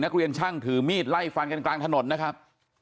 นักเรียนช่างถือมีดไล่ฟันกลางถนนนะครับ